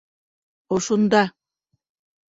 Ошонда.